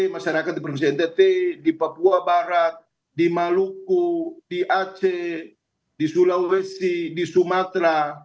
masyarakat di provinsi ntt di papua barat di maluku di aceh di sulawesi di sumatera